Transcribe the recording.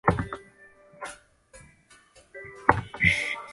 殿试登进士第三甲第三十六名。